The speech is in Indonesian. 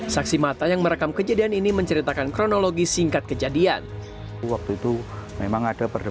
saksi mata yang merekam kejadian ini menceritakan kronologi singkat kejadian